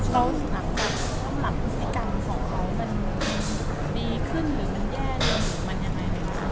แล้วสำหรับการของเขามันดีขึ้นหรือแย่